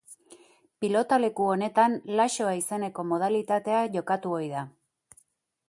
Pilotaleku honetan laxoa izeneko modalitatea jokatu ohi da.